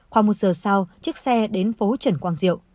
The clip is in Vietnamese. khoảng một giờ sau chiếc xe đến phố trần quang diệu